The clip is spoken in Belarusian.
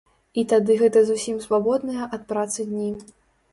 І тады гэта зусім свабодныя ад працы дні.